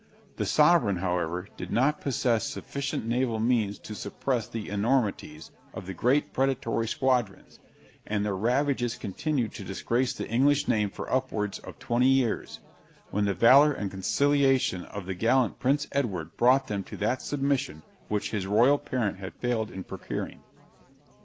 The sovereign, however, did not possess sufficient naval means to suppress the enormities of the great predatory squadrons, and their ravages continued to disgrace the English name for upwards of twenty years, when the valor and conciliation of the gallant Prince Edward brought them to that submission which his royal parent had failed in procuring.